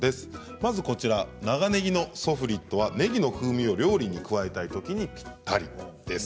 まず長ねぎのソフリットはねぎの風味を料理に加えたいときにぴったりです。